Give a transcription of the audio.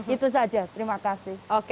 itu saja terima kasih